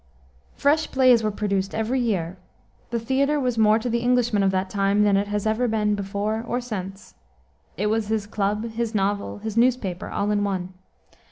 Fresh plays were produced every year. The theater was more to the Englishman of that time than it has ever been before or since. It was his club, his novel, his newspaper all in one.